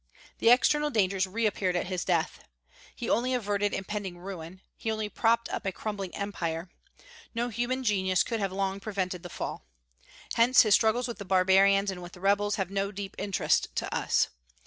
The external dangers reappeared at his death. He only averted impending ruin; he only propped up a crumbling Empire. No human genius could have long prevented the fall. Hence his struggles with barbarians and with rebels have no deep interest to us.